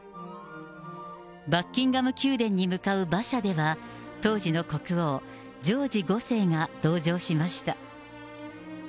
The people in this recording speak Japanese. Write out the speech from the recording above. バッキンガム宮殿に向かう馬車では、当時の国王、ジョージ５世が同乗しました。